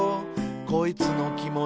「こいつのきもち」